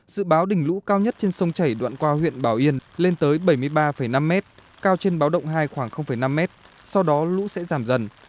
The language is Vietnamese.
dự báo đỉnh lũ cao nhất trên sông chảy đoạn qua huyện bảo yên lên tới bảy mươi ba năm m cao trên báo động hai khoảng năm m sau đó lũ sẽ giảm dần